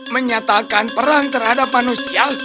menyatakan perang terhadap manusia